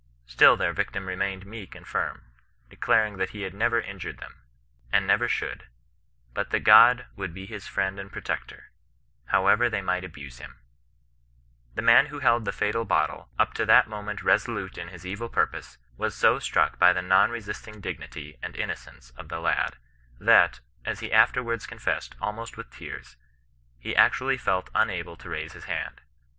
Still their victim remained meek and firm, declaring that he had never injured them, and never should, out that God would be his friend and protector, however they might abuse hinu The man who held the fatal bottle, up to that moment resolute in his evil purpose, was so struck by the non resisting dignity and innocence of the lad, that, as he afterwards confessed almost with tears, he actually felt unable to raise his hand.